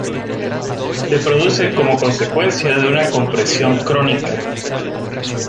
Se produce como consecuencia de una compresión crónica.